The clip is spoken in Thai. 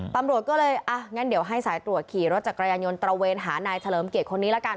ตำรวจก็เลยอ่ะงั้นเดี๋ยวให้สายตรวจขี่รถจักรยานยนต์ตระเวนหานายเฉลิมเกียรติคนนี้ละกัน